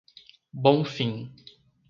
Bonfim